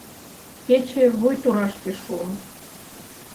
Кече вуй турашке шуын.